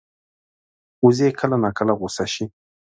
وزې کله ناکله غوسه شي